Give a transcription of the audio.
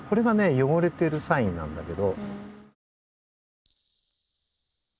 よごれてるサインなんだけど。